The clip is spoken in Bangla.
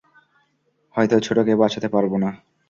হয়তো ছোটকে বাঁচাতে পারব না।